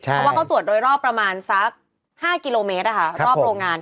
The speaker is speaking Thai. เพราะว่าเขาตรวจโดยรอบประมาณสัก๕กิโลเมตรรอบโรงงาน